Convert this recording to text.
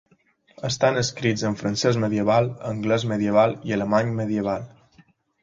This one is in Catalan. Estan escrits en francès medieval, anglès medieval i alemany medieval.